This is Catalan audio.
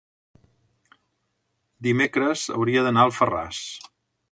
dimecres hauria d'anar a Alfarràs.